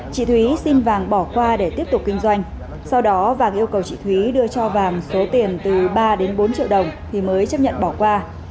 chị thúy xin vàng bỏ qua để tiếp tục kinh doanh sau đó vàng yêu cầu chị thúy đưa cho vàm số tiền từ ba đến bốn triệu đồng thì mới chấp nhận bỏ qua